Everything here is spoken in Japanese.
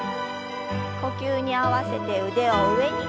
呼吸に合わせて腕を上に。